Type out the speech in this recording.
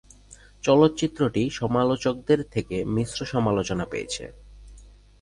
চলচ্চিত্রটি সমালোচকদের থেকে মিশ্র সমালোচনা পেয়েছে।